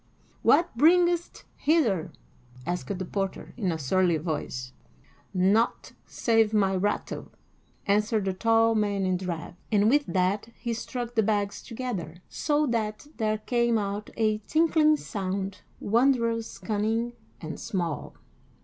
"What bringest hither?" asked the porter, in a surly voice. "Naught save my rattle," answered the tall man in drab; and with that he struck the bags together, so that there came out a tinkling sound wondrous cunning and small.